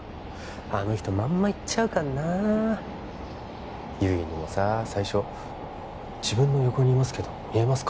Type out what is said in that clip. あの人まんま言っちゃうからな悠依にもさ最初自分の横にいますけど見えますか？